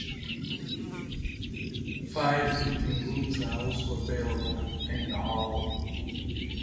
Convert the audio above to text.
Five meeting rooms are also available in the hall.